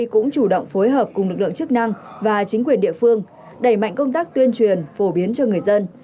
cũng chủ động phối hợp cùng lực lượng chức năng và chính quyền địa phương đẩy mạnh công tác tuyên truyền phổ biến cho người dân